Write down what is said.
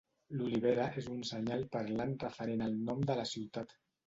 L'olivera és un senyal parlant referent al nom de la ciutat.